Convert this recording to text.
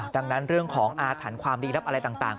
ดังนั้นเรื่องของอาถรรพ์ความดีรับอะไรต่าง